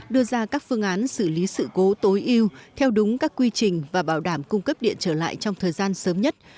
đưa ra các phương án xử lý sự cố tối yêu theo đúng các quy trình và bảo đảm cung cấp điện trở lại trong thời gian sớm nhất